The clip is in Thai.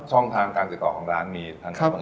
ช่องทางการจิตอบของร้านมีทางทางบังเอิญ